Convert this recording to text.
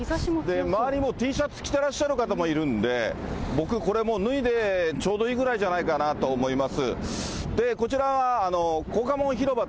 周りもＴシャツ着てらっしゃる方もいるんで、僕、これもう脱いでちょうどいいぐらいじゃないかなと思います。